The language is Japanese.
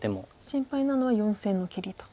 心配なのは４線の切りと。